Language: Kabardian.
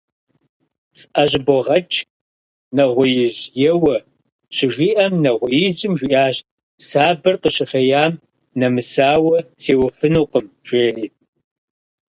– СӀэщӀыбогъэкӀ, нэгъуеижь, еуэ, – щыжиӀэм нэгъуеижьым жиӀащ: «Сабэр къыщыхъеям нэмысауэ сеуэфынукъым», – жери.